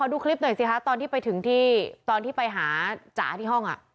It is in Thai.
ดูคลิปหน่อยสิคะตอนที่ไปถึงที่ตอนที่ไปหาจ๋าที่ห้อง